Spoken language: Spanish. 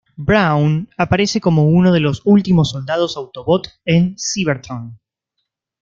Brawn aparece como uno de los últimos soldados Autobot en Cybertron.